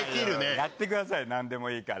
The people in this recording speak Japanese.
やってください、なんでもいいから。